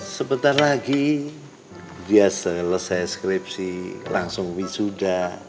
sebentar lagi dia selesai skripsi langsung wisuda